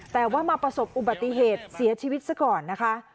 แต่ว่ามาประสบอุบัติเหตุเสียชีวิตซะก่อนนะคะ